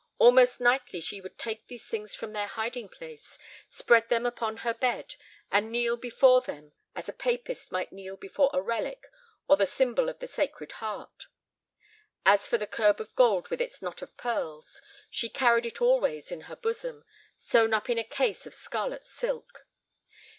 Almost nightly she would take these things from their hiding place, spread them upon her bed, and kneel before them as a papist might kneel before a relic or the symbol of the Sacred Heart. As for the curb of gold with its knot of pearls, she carried it always in her bosom, sewn up in a case of scarlet silk.